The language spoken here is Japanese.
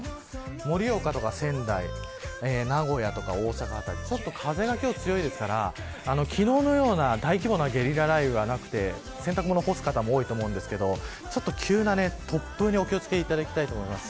盛岡とか仙台名古屋とか大阪辺り風が今日強いですから昨日のような大規模なゲリラ雷雨はなくて洗濯物を干す方も多いと思いますが急な突風にお気を付けていただきたいと思います。